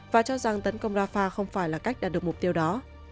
và cho rằng tấn công rafah không phải là cách đạt được mục tiêu đó